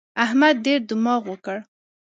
احمد ډېر دماغ وکړ.